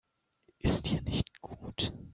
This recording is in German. Ist dir nicht gut?